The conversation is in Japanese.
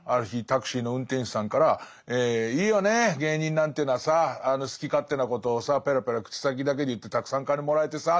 タクシーの運転手さんから「いいよね芸人なんていうのはさ好き勝手なことをさペラペラ口先だけで言ってたくさん金もらえてさ」って言われて。